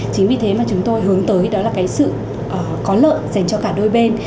chính vì thế mà chúng tôi hướng tới đó là cái sự có lợi dành cho cả đôi bên